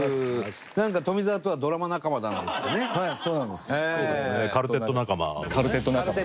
なんか富澤とはドラマ仲間なんですってね。